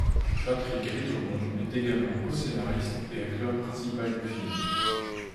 Patrick Ridremont est également coscénariste et acteur principal du film.